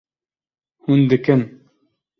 Hûn dikin